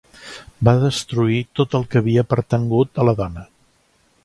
Va destruir tot el que havia pertangut a la dona.